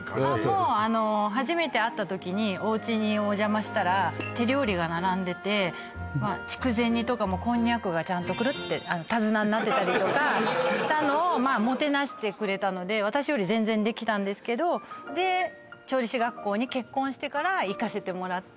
ああもう初めて会った時におうちにお邪魔したら手料理が並んでて筑前煮とかもこんにゃくがちゃんとクルッて手綱になってたりとかしたのをもてなしてくれたので私より全然できたんですけどていうかそうですね